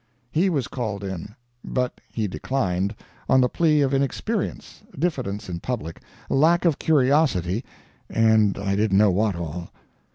He was called in. But he declined, on the plea of inexperience, diffidence in public, lack of curiosity, and I didn't know what all.